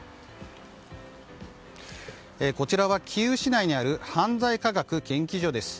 こちらはキーウ市内にある犯罪科学研究所です。